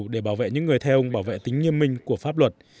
để bảo vệ những người theo ông bảo vệ tính nghiêm minh của pháp luật